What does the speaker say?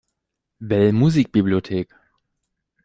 Bell Musik-Bibliothek".